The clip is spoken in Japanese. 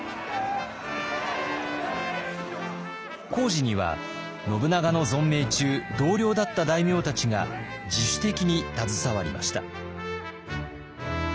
工事には信長の存命中同僚だった大名たちが自主的に携わりました。